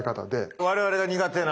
我々が苦手な。